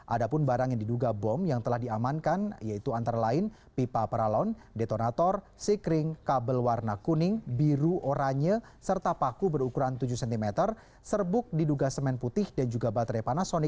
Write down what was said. ada pun barang yang diduga bom yang telah diamankan yaitu antara lain pipa peralon detonator seekring kabel warna kuning biru oranye serta paku berukuran tujuh cm serbuk diduga semen putih dan juga baterai panasonic neo sembilan v bentuk kotak